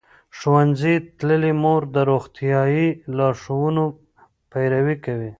ښوونځې تللې مور د روغتیايي لارښوونو پیروي کوي.